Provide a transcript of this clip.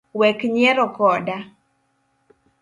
Wek nyiero koda